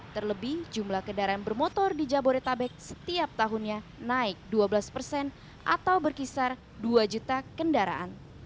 terlebih jumlah kendaraan bermotor di jabodetabek setiap tahunnya naik dua belas persen atau berkisar dua juta kendaraan